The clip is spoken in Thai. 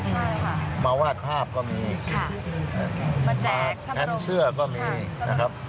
ใช่ค่ะมาวาดภาพก็มีมาแจ๊กผ้าบัดลงภาพเสื้อก็มีนะครับ